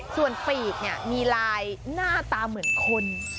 ส่วนปีกมีลายหน้าตาเหมือนคน